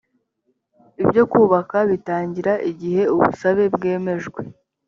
ibyo kubaka bitangira igihe ubusabe bwemejwe